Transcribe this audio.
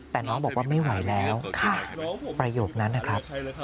แต่น้องบอกว่าไม่ไหวแล้วประโยคนั้นนะครับ